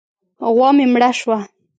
غوا مې مړه شوه.